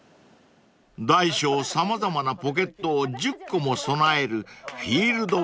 ［大小様々なポケットを１０個も備えるフィールドベスト］